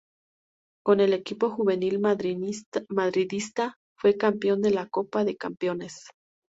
Con el equipo juvenil madridista fue campeón de la Copa de Campeones.